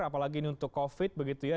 apalagi ini untuk covid begitu ya